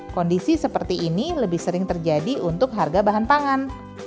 kondisi seperti ini lebih sering terjadi untuk harga bahan pangan